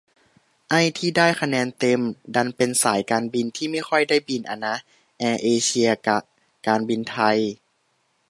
ไอ้ที่ได้คะแนนเต็ม ดันเป็นสายการบินที่ไม่ค่อยได้บินอะนะ แอร์เอเชีย กะ การบินไทย